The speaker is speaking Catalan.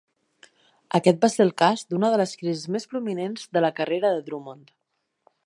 Aquest va ser el cas d'una de les crisis més prominents de la carrera de Drummond.